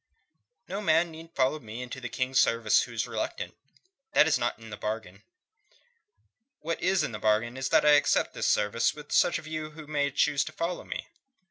"No man need follow me into the King's service who is reluctant. That is not in the bargain. What is in the bargain is that I accept this service with such of you as may choose to follow me.